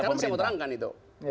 sekarang saya mau terangkan itu